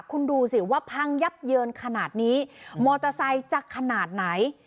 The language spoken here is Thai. คุณดูสิว่าพังยับเยินขนาดนี้มอเตอร์ไซค์จะขนาดไหน